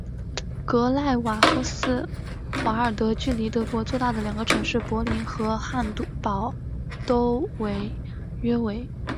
格赖夫斯瓦尔德距离德国最大的两个城市柏林和汉堡都约为。